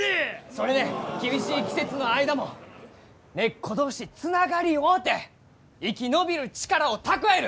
それで厳しい季節の間も根っこ同士つながり合うて生き延びる力を蓄える！